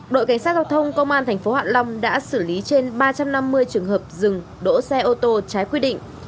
giao thông công an thành phố hạ long đã xử lý trên ba trăm năm mươi trường hợp dừng đỗ xe ô tô trái quy định